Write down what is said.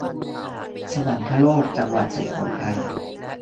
สวรรคโลก จังหวัดสุโขทัย